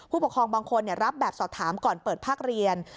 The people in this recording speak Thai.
ผู้ปกครองบางคนรับแบบสอบถามก่อนเปิดภาคเรียน